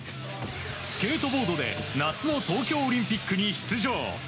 スケートボードで夏の東京オリンピックに出場。